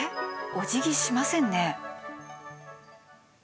おじぎしませんね。